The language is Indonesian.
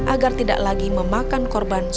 agar tidak lagi memakan korban seperti itu